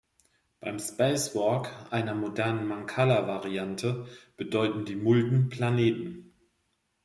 Bei Space Walk, einer modernen Mancala-Variante, bedeuten die Mulden "Planeten".